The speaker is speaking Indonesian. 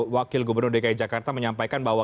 wakil gubernur dki jakarta menyampaikan bahwa